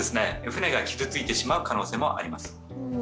船が傷ついてしまう可能性もあります。